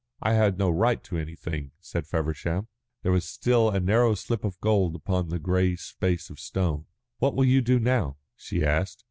"I had no right to anything," said Feversham. There was still a narrow slip of gold upon the grey space of stone. "What will you do now?" she asked.